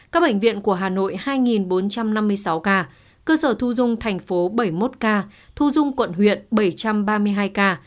các bệnh viện của hà nội hai bốn trăm năm mươi sáu ca cơ sở thu dung thành phố bảy mươi một ca thu dung quận huyện bảy trăm ba mươi hai ca